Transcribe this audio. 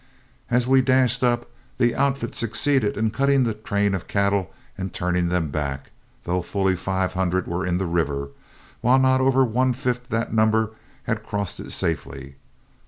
As we dashed up, the outfit succeeded in cutting the train of cattle and turning them back, though fully five hundred were in the river, while not over one fifth that number had crossed in safety.